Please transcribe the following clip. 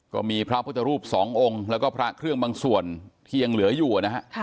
ก็มีพระพุทธรูปสององค์แล้วก็พระเครื่องบางส่วนที่ยังเหลืออยู่นะฮะ